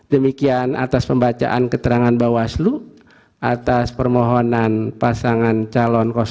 demikian atas pembacaan keterangan bawaslu atas permohonan pasangan calon